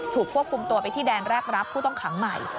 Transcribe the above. ควบคุมตัวไปที่แดนแรกรับผู้ต้องขังใหม่